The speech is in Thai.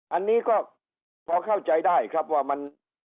อันนี้ก็พอเข้าใจได้ครับว่ามัน